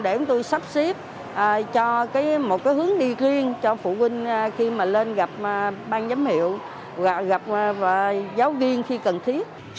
để chúng tôi sắp xếp cho một cái hướng đi riêng cho phụ huynh khi mà lên gặp ban giám hiệu gặp giáo viên khi cần thiết